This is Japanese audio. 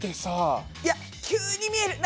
いや急に見える。